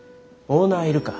オーナーいるか。